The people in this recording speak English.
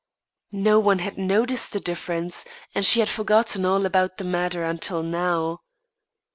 No one had noticed the difference, and she had forgotten all about the matter until now.